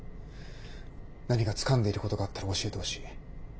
何かつかんでいることがあったら教えてほしい。